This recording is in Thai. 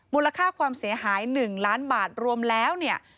มูลค่าความเสียหาย๑ล้านบาทรวมแล้วเนี่ย